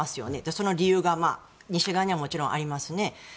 その理由が西側にはもちろんありますね。